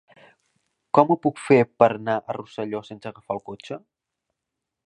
Com ho puc fer per anar a Rosselló sense agafar el cotxe?